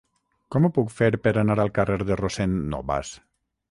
Com ho puc fer per anar al carrer de Rossend Nobas?